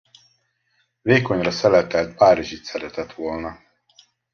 Vékonyra szeletelt párizsit szeretett volna.